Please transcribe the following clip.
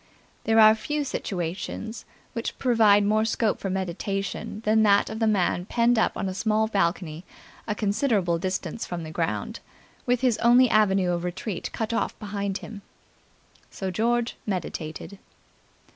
There are few situations which provide more scope for meditation than that of the man penned up on a small balcony a considerable distance from the ground, with his only avenue of retreat cut off behind him. So George meditated.